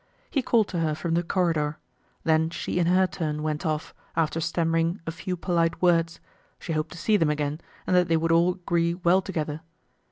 He called to her from the corridor. Then she in her turn went off, after stammering a few polite words: she hoped to see them again, and that they would all agree well together.